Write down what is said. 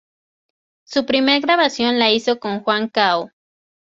Su primer grabación la hizo con Juan Cao.